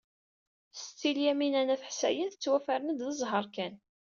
Setti Lyamina n At Ḥsayen tettwafren-d d zzheṛ kan.